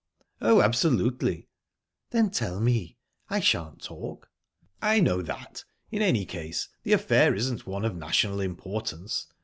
"Oh, absolutely." "Then tell me. I shan't talk." "I know that. In any case, the affair isn't one of national importance.